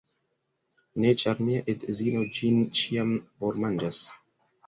Ne, ĉar mia edzino ĝin ĉiam formanĝas.